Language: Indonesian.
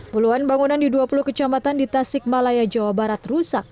puluhan bangunan di dua puluh kecamatan di tasik malaya jawa barat rusak